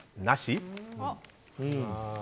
なし？